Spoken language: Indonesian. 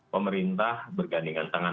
pemerintah bergandingan tangan